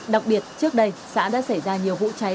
đặc biệt trước đây xã đã xảy ra nhiều vụ cháy